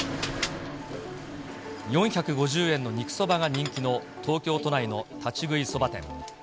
４５０円の肉そばが人気の東京都内の立ち食いそば店。